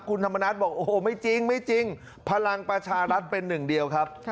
คุณธรรมนัสบอกไม่จริงพลังประชารัฐเป็นหนึ่งเดียวครับ